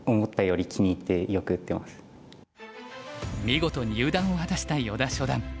見事入段を果たした依田初段。